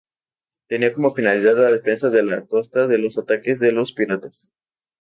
Tenía como finalidad la defensa de la costa de los ataques de los piratas.